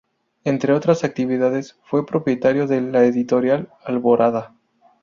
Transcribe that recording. Entre otras actividades, fue propietario de la editorial "Alborada".